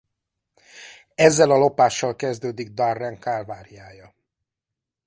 Ezzel a lopással kezdődik Darren kálváriája.